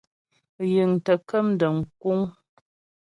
Yǐŋ tə kəm dəm kúŋ.